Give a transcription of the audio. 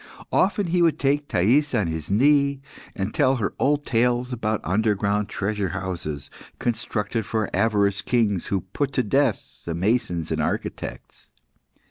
Often he would take Thais on his knee, and tell her old tales about underground treasure houses constructed for avaricious kings, who put to death the masons and architects.